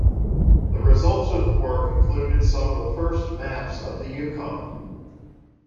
The results of the work included some of the first maps of the Yukon.